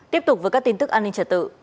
tiếp tục với các tin tức an ninh trật tự